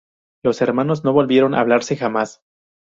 Los hermanos no volvieron a hablarse jamás.